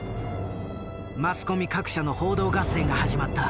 マスコミ各社の報道合戦が始まった。